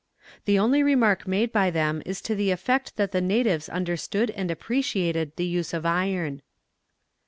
The only remark made by them is to the effect that the natives understood and appreciated the use of iron.